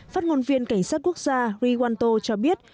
phát ngôn viên cảnh sát quốc gia riwanto cho biết